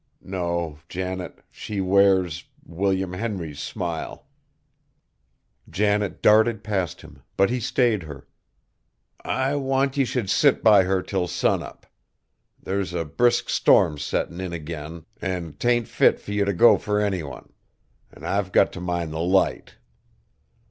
No, Janet, she wears William Henry's smile!" Janet darted past him, but he stayed her. "I want ye should sit by her till sun up. There's a brisk storm settin' in agin, an' 't ain't fit fur ye t' go fur any one; an' I've got t' mind the Light.